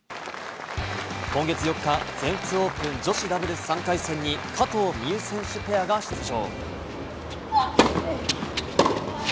今月４日、全仏オープン女子ダブルス３回戦に加藤未唯選手ペアが出場。